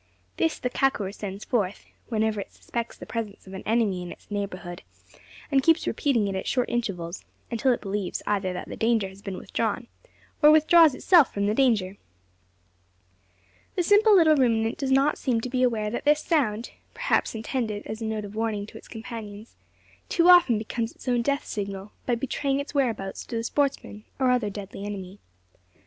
This the kakur sends forth, whenever it suspects the presence of an enemy in its neighbourhood; and keeps repeating it at short intervals, until it believes either that the danger has been withdrawn, or withdraws itself from the danger. The simple little ruminant does not seem to be aware that this sound perhaps intended as a note of warning to its companions too often becomes its own death signal, by betraying its whereabouts to the sportsman or other deadly enemy.